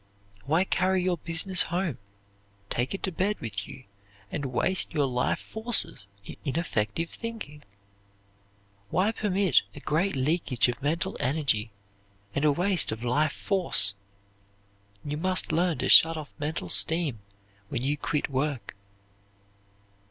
Why carry your business home, take it to bed with you, and waste your life forces in ineffective thinking? Why permit a great leakage of mental energy and a waste of life force? You must learn to shut off mental steam when you quit work.